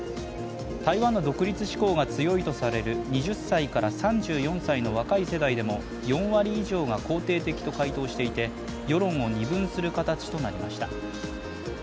台湾の独立志向が強いとされる２０歳から３４歳の若い世代でも４割以上が肯定的と回答していて世論を二分する形となりました。